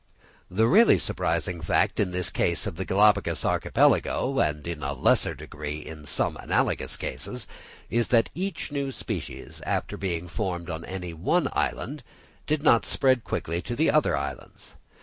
The really surprising fact in this case of the Galapagos Archipelago, and in a lesser degree in some analogous cases, is that each new species after being formed in any one island, did not spread quickly to the other islands.